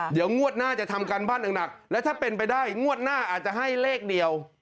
เดี๋ยวงวดหน้าจะทำการบ้านหนักและถ้าเป็นไปได้งวดหน้าอาจจะให้เลขเดียว